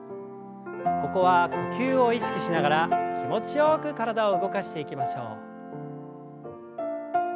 ここは呼吸を意識しながら気持ちよく体を動かしていきましょう。